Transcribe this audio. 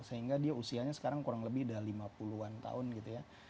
sehingga dia usianya sekarang kurang lebih udah lima puluh an tahun gitu ya